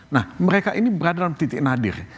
nah mereka ini berada dalam titik nadir